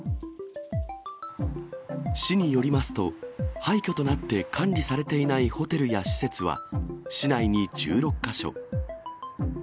市によりますと、廃虚となって管理されていないホテルや施設は、市内に１６か所。